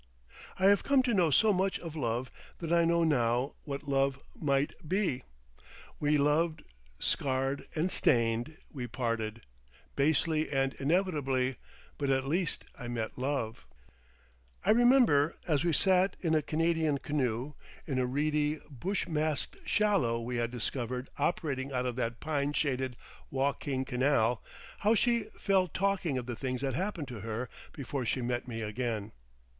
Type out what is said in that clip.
I have come to know so much of love that I know now what love might be. We loved, scarred and stained; we parted—basely and inevitably, but at least I met love. I remember as we sat in a Canadian canoe, in a reedy, bush masked shallow we had discovered operating out of that pine shaded Woking canal, how she fell talking of the things that happened to her before she met me again....